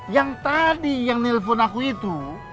yang tadi yang nelfon aku itu